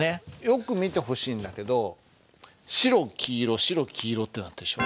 よく見てほしいんだけど白黄色白黄色ってなってるでしょ。